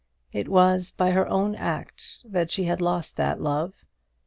It was by her own act that she had lost that love.